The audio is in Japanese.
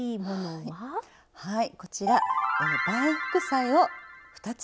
はい。